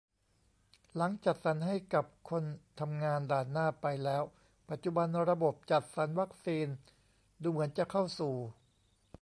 หลังจัดสรรให้กับคนทำงานด่านหน้าไปแล้ว ปัจจุบันระบบจัดสรรวัคซีนดูเหมือนจะเข้าสู่